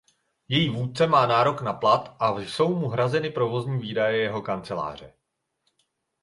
Její vůdce má nárok na plat a jsou mu hrazeny provozní výdaje jeho kanceláře.